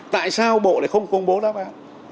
tại sao bộ này không công bố đáp án